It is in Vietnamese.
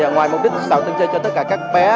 ngoài mục đích tạo sân chơi cho tất cả các bé